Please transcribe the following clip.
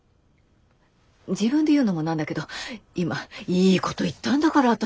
自分で言うのもなんだけど今いいこと言ったんだから私。